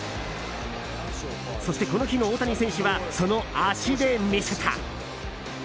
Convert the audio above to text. そして、この日の大谷選手はその足で見せた！